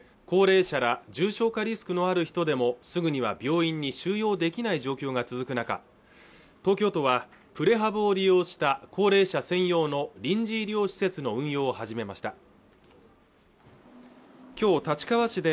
高齢者ら重症化リスクのある人でもすぐには病院に収容できない状況が続く中東京都はプレハブを利用した高齢者専用の臨時医療施設の運用を始めました